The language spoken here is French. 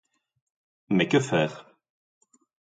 Mais que faire ?